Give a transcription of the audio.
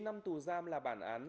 chín năm tù giam là bản án